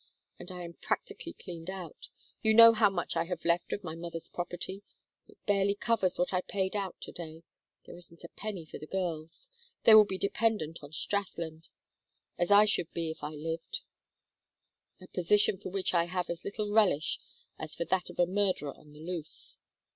And I am practically cleaned out. You know how much I have left of my mother's property! It barely covers what I paid out to day. There isn't a penny for the girls. They will be dependent on Strathland as I should be if I lived; a position for which I have as little relish as for that of a murderer on the loose.